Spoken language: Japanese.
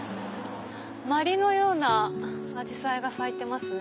まりのようなアジサイが咲いてますね。